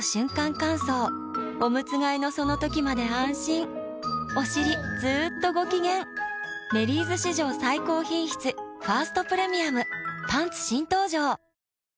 乾燥おむつ替えのその時まで安心おしりずっとご機嫌「メリーズ」史上最高品質「ファーストプレミアム」パンツ新登場！